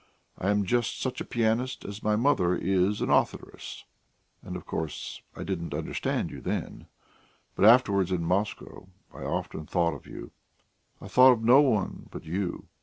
I am just such a pianist as my mother is an authoress. And of course I didn't understand you then, but afterwards in Moscow I often thought of you. I thought of no one but you.